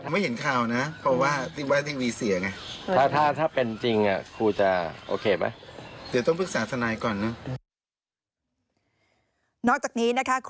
ไม่เห็นข่าวนะ